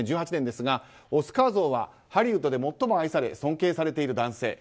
２０１８年ですがオスカー像はハリウッドで最も愛され尊敬されている男性。